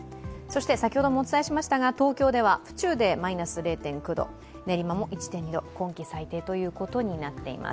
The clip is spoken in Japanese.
先ほどもお伝えしましたが、東京では府中でマイナス０．９度練馬も１．２度、今季最低となっています。